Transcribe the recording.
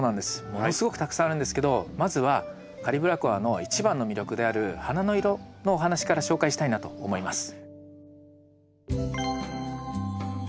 ものすごくたくさんあるんですけどまずはカリブラコアの一番の魅力である花の色のお話から紹介したいなと思います。